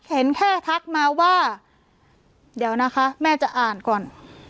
เห็นแค่ทักมาว่าเดี๋ยวนะคะแม่จะอ่านก่อน